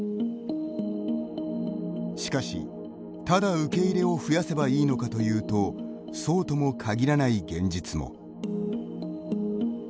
しかし、ただ受け入れを増やせばいいのかというとそうとも限らない現実も。